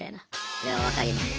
いや分かります。